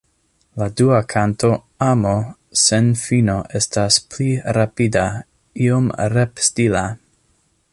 La dua kanto Amo sen fino estas pli rapida, iom rep-stila.